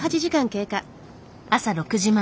朝６時前。